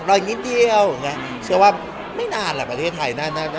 รอยนิดเดียวใช่ไหมเชื่อว่าไม่นานแหละประเทศไทยน่าน่า